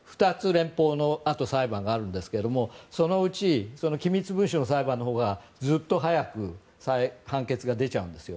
連邦の裁判があるんですがそのうち機密文書の裁判のほうがずっと早く判決が出ちゃうんですよ。